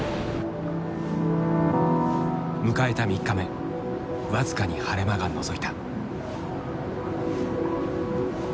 迎えた３日目僅かに晴れ間がのぞいた。